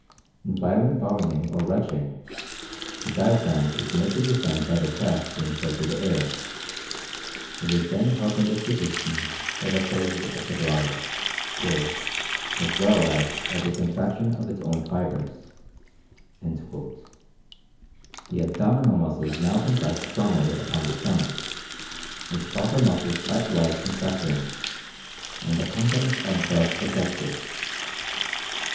In violent vomiting or retching the diaphragm is made to descend by the chest being filled with air; it is then held in this position by the closure of the glottis, "as well as by the contraction of its own fibres." The abdominal muscles now contract strongly upon the stomach, its proper muscles likewise contracting, and the contents are thus ejected.